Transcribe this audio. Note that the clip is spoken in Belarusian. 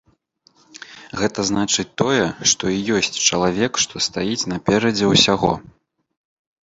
Гэта значыць тое, што і ёсць чалавек, што стаіць наперадзе ўсяго.